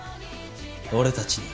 俺たちに。